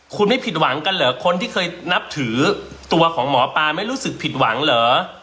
คุณไม่ผิดหวังกันเหรอคนที่เคยนับถือตัวของหมอปลาไม่รู้สึกผิดหวังเหรอ